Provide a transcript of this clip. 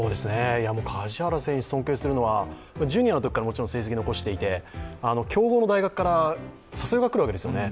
梶原選手、尊敬するのはジュニアの時からもちろん成績を残していて強豪の大学から誘いがくるわけですよね